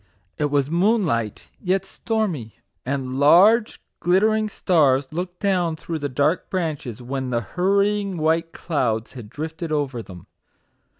It was moonlight, yet stormy; and large, glittering stars, looked down through the dark branches, when the hurrying white clouds had drifted over them.